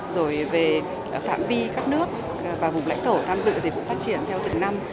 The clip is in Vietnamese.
rồi về phạm vi các nước và vùng lãnh thổ tham dự thì cũng phát triển theo từng năm